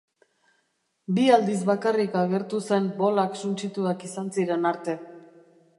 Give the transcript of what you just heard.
Bi aldiz bakarrik agertu zen bolak suntsituak izan ziren arte.